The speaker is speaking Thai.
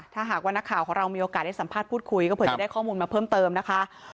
ถ้าหากว่านักข่าวของเรามีโอกาสได้สัมภาษณ์พูดคุยก็เผื่อจะได้ข้อมูลมาเพิ่มเติมนะคะ